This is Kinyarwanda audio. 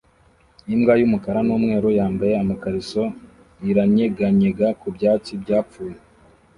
Imbwa y'umukara n'umweru yambaye amakariso iranyeganyega ku byatsi byapfuye